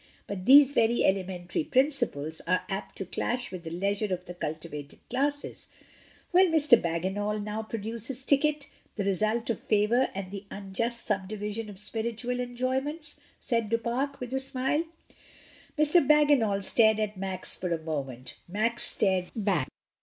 But these very elementary prin ciples are apt to clash with the leisure of the cul tivated classes. Will Mr. Bagginal now produce his ticket — the result of favour and the unjust sub division of spiritual enjoyments?" said Du Pare, with a smile. Mr. Bagginal stared at Max for a moment. Max stared back.